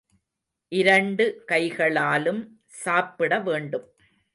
இரண்டு கைகளாலும் சாப்பிடவேண்டும.